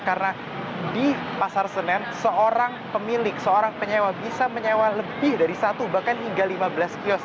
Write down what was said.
karena di pasar senen seorang pemilik seorang penyewa bisa menyewa lebih dari satu bahkan hingga lima belas kiosk